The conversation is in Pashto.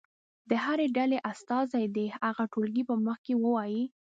د هرې ډلې استازی دې هغه ټولګي په مخ کې ووایي.